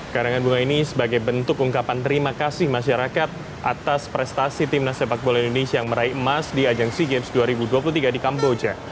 karangan bunga ini sebagai bentuk ungkapan terima kasih masyarakat atas prestasi timnas sepak bola indonesia yang meraih emas di ajang sea games dua ribu dua puluh tiga di kamboja